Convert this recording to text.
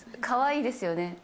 かわいいですよね。